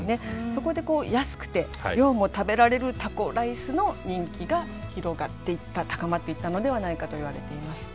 そこで安くて量も食べられるタコライスの人気が広がっていった高まっていったのではないかといわれています。